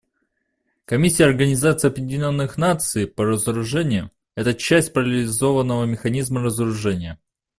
Комиссия Организации Объединенных Наций по разоружению — это часть парализованного механизма разоружения.